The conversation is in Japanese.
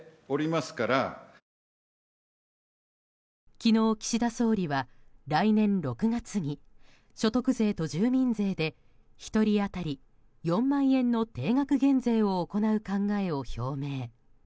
昨日、岸田総理は来年６月に所得税と住民税で１人当たり４万円の定額減税を行う考えを表明。